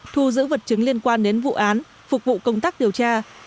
thu giữ vật chứng liên quan đến vụ án phục vụ công tác điều tra